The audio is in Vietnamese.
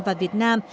và việt nam